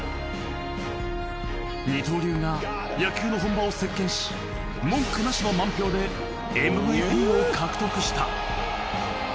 二刀流が野球の本場を席巻し文句なしの満票でＭＶＰを獲得した。